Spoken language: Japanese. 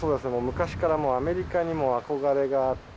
昔からアメリカに憧れがあって。